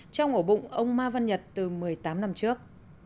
trong ổ bụng ông ma văn nhật từ một mươi tám năm trước